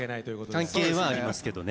関係はありますけどね。